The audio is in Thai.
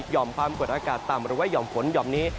ยอมความปวดอากาศตามบริเวณยอมฝนยอมนี้